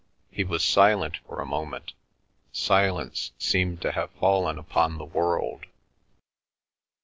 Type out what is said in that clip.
He was silent for a moment. Silence seemed to have fallen upon the world.